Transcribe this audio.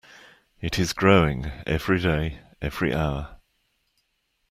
It is growing, every day, every hour.